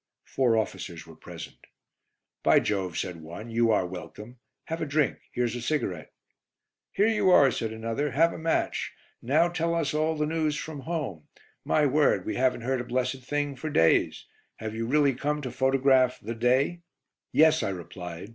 Four officers were present. "By Jove!" said one, "you are welcome. Have a drink. Here's a cigarette." "Here you are," said another, "have a match. Now tell us all the news from home. My word, we haven't heard a blessed thing for days. Have you really come to photograph 'The Day'?" "Yes," I replied.